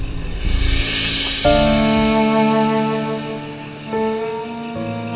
yang bapak salam